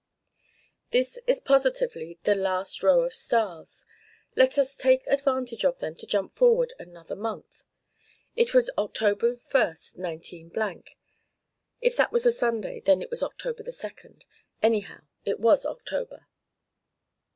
This is positively the last row of stars. Let us take advantage of them to jump forward another month. It was October 1st, 19 . (If that was a Sunday, then it was October 2nd. Anyhow, it was October.)